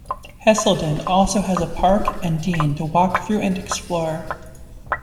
Hesleden also has a park and Dene to walk through and explore.